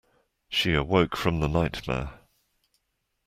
She awoke from the nightmare.